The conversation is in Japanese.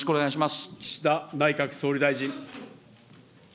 岸田内閣総理大臣。